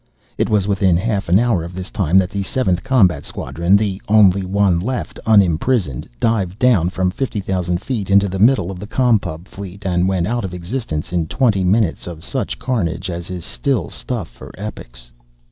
It was within half an hour of this time that the Seventh Combat Squadron the only one left unimprisoned dived down from fifty thousand feet into the middle of the Com Pub fleet and went out of existence in twenty minutes of such carnage as is still stuff for epics.